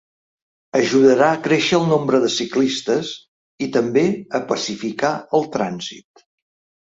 Ajudarà a créixer el nombre de ciclistes i també a pacificar el trànsit.